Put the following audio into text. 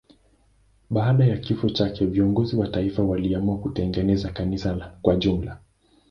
Baada ya kifo chake viongozi wa taifa waliamua kutengeneza kanisa kwa jumla.